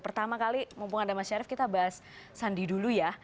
pertama kali mumpung ada mas syarif kita bahas sandi dulu ya